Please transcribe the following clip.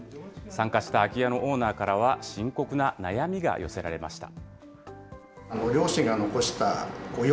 参加した空き家のオーナーからは、深刻な悩みが寄せられました。